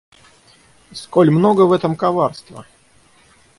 Сколь много в этом коварства!